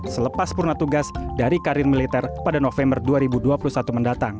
selepas purna tugas dari karir militer pada november dua ribu dua puluh satu mendatang